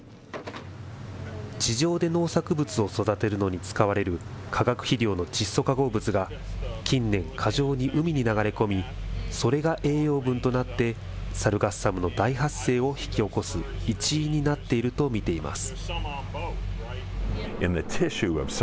地上で農作物を育てるのに使われる化学肥料の窒素化合物が、近年、過剰に海に流れ込み、それが栄養分となって、サルガッサムの大発生を引き起こす一因になっていると見ています。